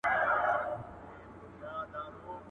سکرتران څنګه چارې سمبالوي؟